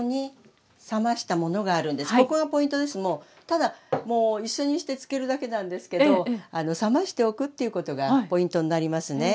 ただもう一緒にして漬けるだけなんですけどあの冷ましておくっていうことがポイントになりますね。